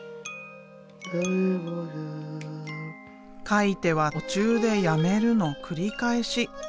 描いては途中でやめるの繰り返し。